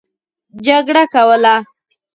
جګړه کوله.